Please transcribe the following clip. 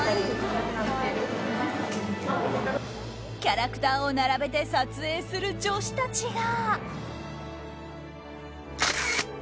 キャラクターを並べて撮影する女子たちが。